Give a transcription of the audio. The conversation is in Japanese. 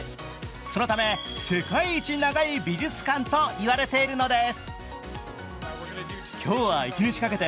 そのため、世界一長い美術館と言われているのです。